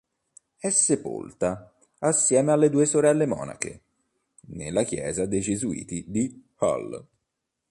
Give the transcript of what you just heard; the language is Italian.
È sepolta, assieme alle due sorelle monache, nella chiesa dei gesuiti di Hall.